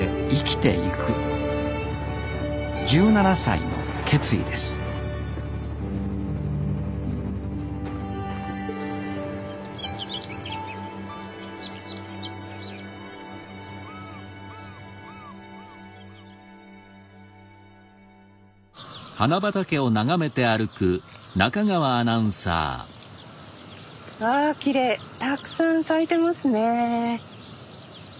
たくさん咲いてますね。